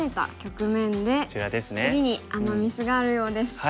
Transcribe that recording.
次にアマ・ミスがあるようです。